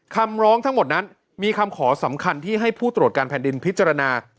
คำร้องทั้งหมดนั้นมีคำขอสำคัญที่ให้ผู้ตรวจการแผ่นดินพิจารณา